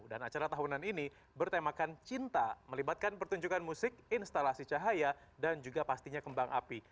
dan acara tahunan ini bertemakan cinta melibatkan pertunjukan musik instalasi cahaya dan juga pastinya kembang api